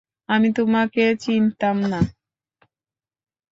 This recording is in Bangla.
আমি তোমাকে চিনতাম না।